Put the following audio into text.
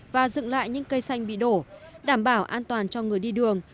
và dựng lại những cây xanh bị đổ đảm bảo an toàn cho người đi đường